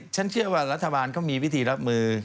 ฉันเชื่อว่ารัฐบาลเขามีวิธีรับมือ